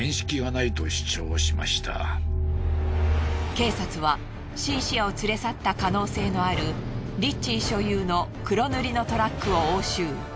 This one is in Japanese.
警察はシンシアを連れ去った可能性のあるリッチー所有の黒塗りのトラックを押収。